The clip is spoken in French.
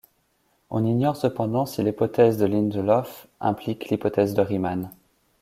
On ignore cependant si l'hypothèse de Lindelöf implique l'hypothèse de Riemann.